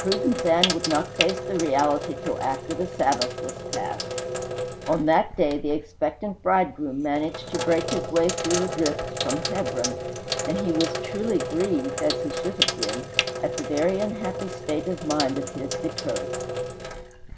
Prudence Ann would not face the reality till after the Sabbath was past. On that day the expectant bridegroom managed to break his way through the drifts from Hebron, and he was truly grieved, as he should have been, at the very unhappy state of mind of his betrothed.